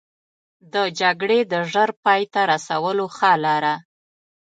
د جګړې د ژر پای ته رسولو ښه لاره.